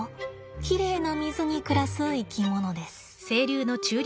きれいな水に暮らす生き物です。